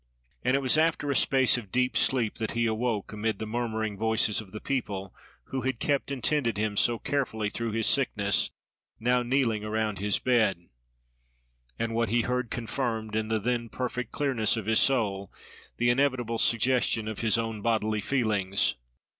And it was after a space of deep sleep that he awoke amid the murmuring voices of the people who had kept and tended him so carefully through his sickness, now kneeling around his bed: and what he heard confirmed, in the then perfect clearness of his soul, the inevitable suggestion of his own bodily feelings.